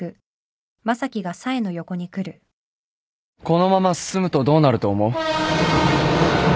このまま進むとどうなると思う？